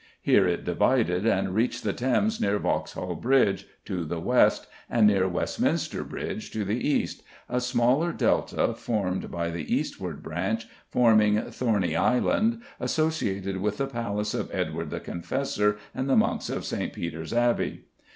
Here it divided, and reached the Thames near Vauxhall Bridge to the west, and near Westminster Bridge to the east, a smaller delta formed by the eastward branch forming Thorney Island, associated with the palace of Edward the Confessor and the monks of St. Peter's Abbey.